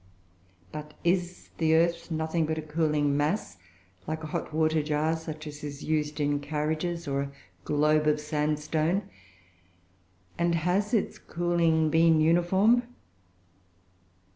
But is the earth nothing but a cooling mass, "like a hot water jar such as is used in carriages," or "a globe of sandstone," and has its cooling been uniform?